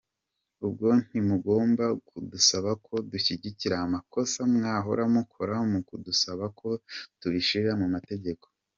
"Ubwo ntimugomba kudusaba ko dukingira amakosa mwahora mukora mu kudusaba ko tubishira mu mategeko?".